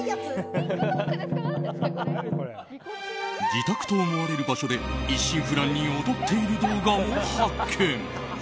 自宅と思われる場所で一心不乱に踊っている動画を発見。